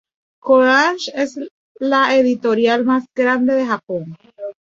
Kōdansha es la editorial más grande de Japón.